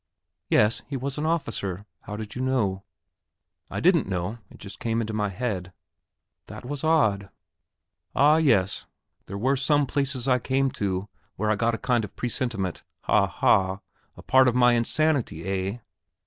"Yes; he was an officer. How did you know?" "I didn't know; it just came into my head." "That was odd." "Ah, yes; there were some places I came to where I got a kind of presentiment. Ha, ha! a part of my insanity, eh?"